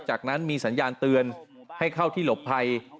จากนั้นมีสัญญาณเตือนให้เข้าที่หลบภัย